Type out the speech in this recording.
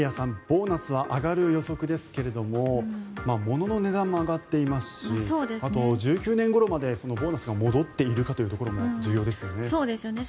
ボーナスは上がる予測ですけども物の値段も上がっていますしあと１９年ごろまでボーナスが戻っているかということも重要ですよね。